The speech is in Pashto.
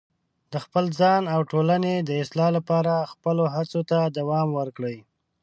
د خپل ځان او ټولنې د اصلاح لپاره خپلو هڅو ته دوام ورکړئ.